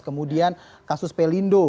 kemudian kasus pelindo